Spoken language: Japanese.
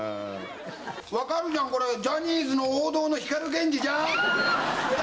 分かるじゃん、これ、ジャニーズの王道の光ＧＥＮＪＩじゃん。